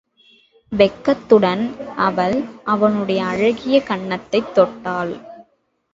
வெட்கத்துடன் அவள் அவனுடைய அழகிய கன்னத்தைத் தொட்டாள்.